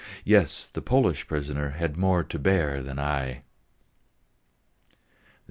_" Yes, the Polish prisoners had more to bear than I.